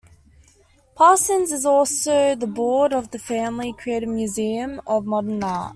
Parsons is also on the board of the family created Museum of Modern Art.